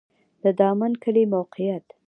د دامن کلی موقعیت